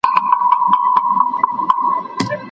که ته هره ورځ یو نوی شی زده کړې نو بریا ستا ده.